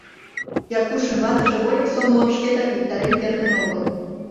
Якушын ватыже вольык сомылым шкетак виктарен кертын огыл.